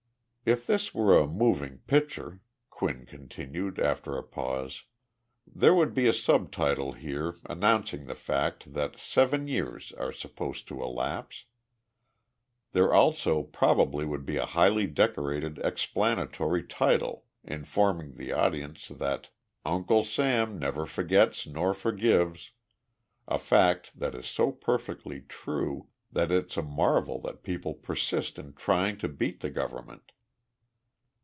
If this were a moving picture [Quinn continued, after a pause], there would be a subtitle here announcing the fact that seven years are supposed to elapse. There also probably would be a highly decorated explanatory title informing the audience that "Uncle Sam Never Forgets Nor Forgives" a fact that is so perfectly true that it's a marvel that people persist in trying to beat the government.